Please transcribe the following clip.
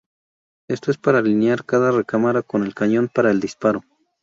Esto es para alinear cada recámara con el cañón para el disparo.